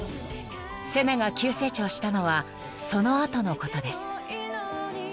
［セナが急成長したのはその後のことです］